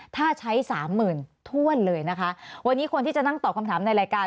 ถ้าใช้สามหมื่นถ้วนเลยนะคะวันนี้คนที่จะนั่งตอบคำถามในรายการ